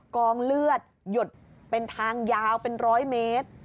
กองเลือดหยดเป็นทางยาวเป็นร้อยเมตร